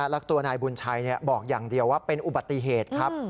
แล้วตัวนายบุญชัยบอกอย่างเดียวว่าเป็นอุบัติเหตุครับ